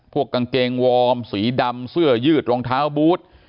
กางเกงวอร์มสีดำเสื้อยืดรองเท้าบูธ